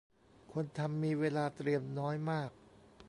คนทำมีเวลาเตรียมน้อยมาก